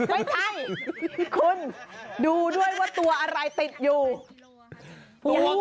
ไม่ใช่คุณดูด้วยว่าตัวอะไรติดอยู่